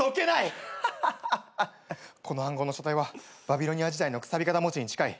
この暗号の書体はバビロニア時代のくさび形文字に近い。